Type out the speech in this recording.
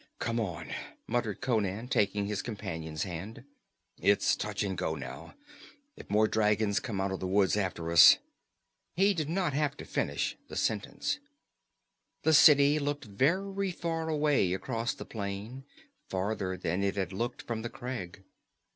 "Come on," muttered Conan, taking his companion's hand. "It's touch and go now. If more dragons come out of the woods after us " He did not have to finish the sentence. The city looked very far away across the plain, farther than it had looked from the crag.